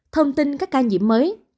thông tin các ca nhiễm mới